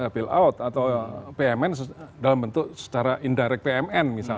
bailout atau pmn dalam bentuk secara indirect pmn misalnya